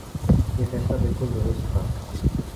یہ فیصلہ بالکل درست تھا۔